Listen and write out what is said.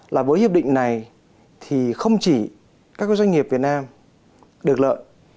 là với hiệp định này thì không chỉ các doanh nghiệp việt nam được lợi